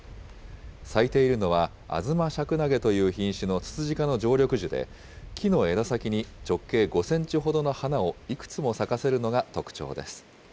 咲いているのは、アズマシャクナゲという品種のツツジ科の常緑樹で、木の枝先に直径５センチほどの花をいくつも咲かせるのが特徴です。